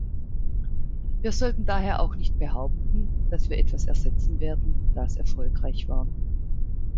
Wir sollten daher auch nicht behaupten, dass wir etwas ersetzen werden, das erfolgreich war.